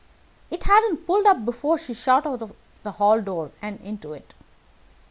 It hadn't pulled up before she shot out of the hall door and into it.